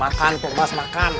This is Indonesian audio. makan tuh mas makan